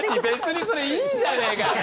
別にそれいいじゃねえか！